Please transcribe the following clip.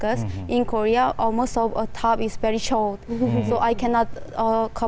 karena di korea sebagian besar pakaian tersebut sangat kecil